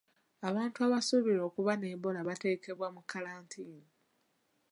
Abantu abasuubirwa okuba ne Ebola batekebwa mu kalantiini.